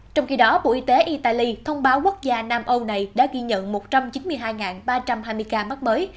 trong khi đó bộ y tế italy thông báo quốc gia nam âu này đã ghi nhận một trăm chín mươi hai ba trăm hai mươi ca mắc mới